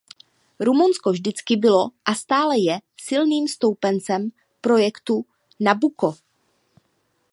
Rumunsko vždycky bylo a stále je silným stoupencem projektu Nabucco.